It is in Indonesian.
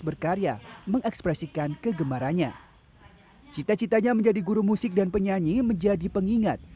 berkarya mengekspresikan kegemarannya cita citanya menjadi guru musik dan penyanyi menjadi pengingat